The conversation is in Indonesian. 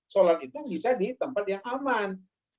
sholat itu bisa di tempat yang aman